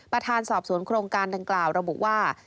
ประธานสอบสวนโครงการดังกล่าวระบุว่า